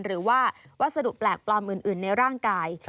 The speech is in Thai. หรือว่าวัสดุแปลกปลอมอื่นในร่างกาย